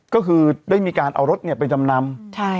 ก็คือได้มีการเอารถไปจำนำ